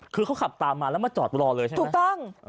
คือเขาขับตามมาแล้วมาจอดรอเลยใช่ไหมถูกต้อง